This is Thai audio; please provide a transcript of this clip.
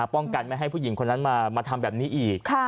ป้องกันไม่ให้ผู้หญิงคนนั้นมาทำแบบนี้อีก